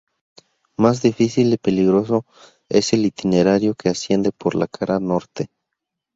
Más difícil y peligroso es el itinerario que asciende por la cara norte.